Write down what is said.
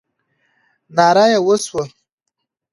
ناره یې وسوه.